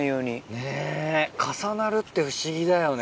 ねっ重なるって不思議だよね。